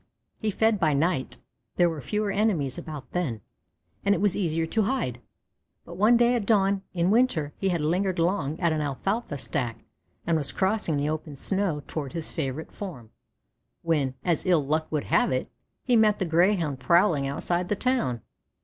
He fed by night; there were fewer enemies about then, and it was easier to hide; but one day at dawn in winter he had lingered long at an alfalfa stack and was crossing the open snow toward his favorite form, when, as ill luck would have it, he met the Greyhound prowling outside the town.